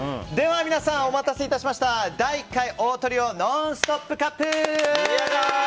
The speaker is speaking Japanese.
皆さん、お待たせいたしました第１回オートリオノンストップカップ！